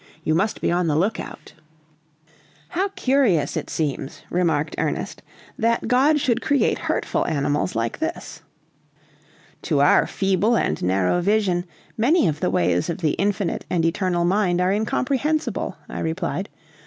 You must be on the lookout." "How curious it seems," remarked Ernest, "that God should create hurtful animals like this." "To our feeble and narrow vision many of the ways of the Infinite and Eternal Mind are incomprehensible," I replied.